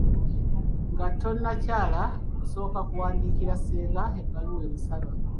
Nga tonnakyala, osooka kuwandiikira ssenga ebbaluwa emusaba.